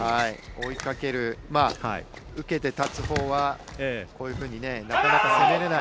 追いかける受けて立つほうはこういうふうになかなか攻められない。